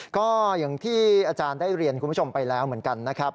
ก็อย่างที่อาจารย์ได้เรียนคุณผู้ชมไปแล้วเหมือนกันนะครับ